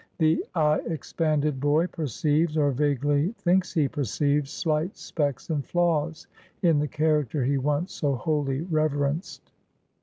The eye expanded boy perceives, or vaguely thinks he perceives, slight specks and flaws in the character he once so wholly reverenced.